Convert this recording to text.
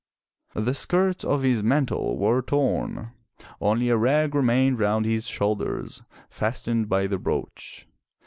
The skirts of his mantle were torn; only a rag remained round his shoulders, fastened by the brooch.